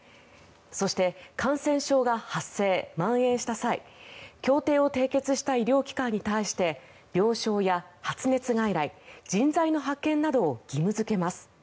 そして感染症が発生・まん延した際協定を締結した医療機関に対して病床や発熱外来人材の派遣などを義務付けます。